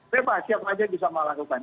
bebas siap saja bisa melakukan